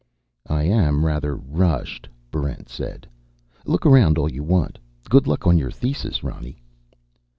"I am rather rushed," Barrent said. "Look around all you want. Good luck on your thesis, Ronny."